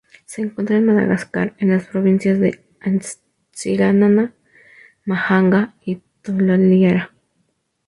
Se encuentra en Madagascar en las provincias de Antsiranana, Mahajanga y Toliara.